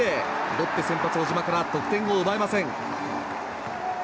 ロッテ先発、小島から得点を奪えません。